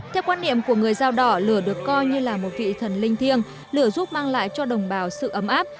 theo quan niệm của người dao đỏ lửa được coi như là một vị thần linh thiêng lửa giúp mang lại cho đồng bào sự ấm áp